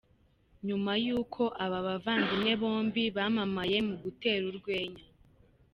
Nyuma yuko aba bavandimwe bombi bamamaye mu gutera urwenya.